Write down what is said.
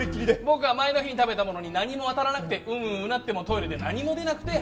僕は前の日に食べたものに何もあたらなくてうんうん唸ってもトイレで何も出なくて。